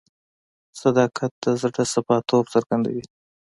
صداقت د زړه صفا توب څرګندوي.